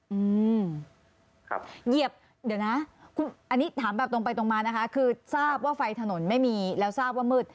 อืมครับเหยียบเดี๋ยวนะคุณอันนี้ถามแบบตรงไปตรงมานะคะคือทราบว่าไฟถนนไม่มีแล้วทราบว่ามืด